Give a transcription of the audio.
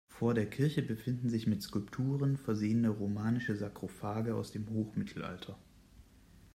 Vor der Kirche befinden sich mit Skulpturen versehene romanische Sarkophage aus dem Hochmittelalter.